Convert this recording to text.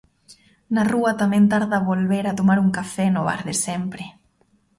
Na rúa tamén tarda volver a tomar un café no bar de sempre.